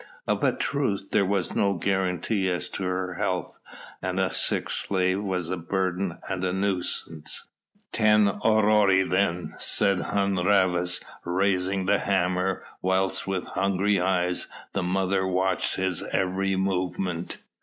Of a truth there was no guarantee as to her health and a sick slave was a burden and a nuisance. "Ten aurei then," said Hun Rhavas raising the hammer, whilst with hungry eyes the mother watched his every movement.